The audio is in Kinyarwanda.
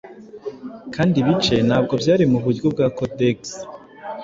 kandi ibice ntabwo byari muburyo bwa codex